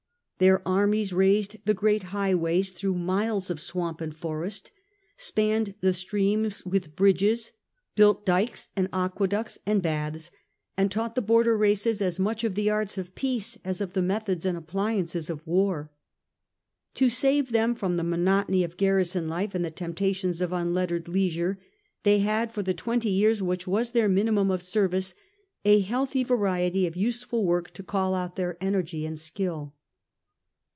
Their armies raised the great highways through miles of swamp and forest, spanned the streams with bridges, built dykes and aqueducts and baths, and taught the border races as much of the arts of peace as of the methods and ap pliances of war. To save them from the monotony of garrison life and the temptations of unlettered leisure they had for the twenty years which was their mini mum of service a healthy variety of useful work to call out their energy and skill.